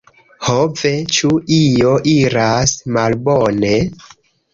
"ho ve, ĉu io iras malbone?"